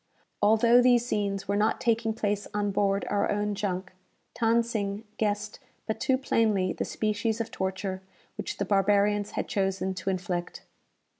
Although these scenes were not taking place on board our own junk, Than Sing guessed but too plainly the species of torture which the barbarians had chosen to inflict.